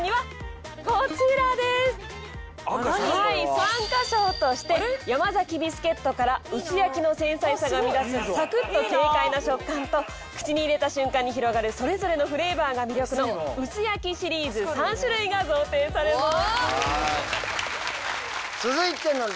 参加賞としてヤマザキビスケットから薄焼きの繊細さが生み出すサクッと軽快な食感と口に入れた瞬間に広がるそれぞれのフレーバーが魅力の薄焼きシリーズ３種類が贈呈されます。